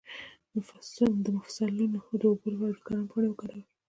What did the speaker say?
د مفصلونو د اوبو لپاره د کرم پاڼې وکاروئ